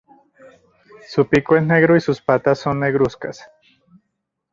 Su pico es negro y sus patas son negruzcas.